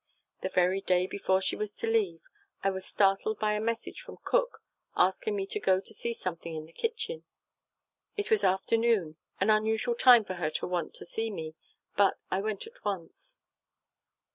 The very day before she was to leave I was startled by a message from cook asking me to go to see something in the kitchen. It was afternoon an unusual time for her to want to see me, but I went at once.